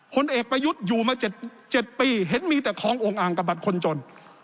ผลเอกประยุทธ์อยู่มา๗ปีเห็นมีแต่คลององค์อ่างกับบัตรคนจน